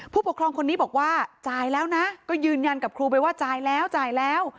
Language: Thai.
ผู้ปกครองคนนี้บอกว่าจ่ายแล้วนะก็ยืนยันกับครูไปว่าจ่ายแล้วจ่ายแล้ว